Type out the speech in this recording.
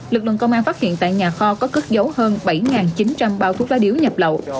lực lượng công an phát hiện tại nhà kho có cất dấu hơn bảy chín trăm linh bao thuốc lá điếu nhập lậu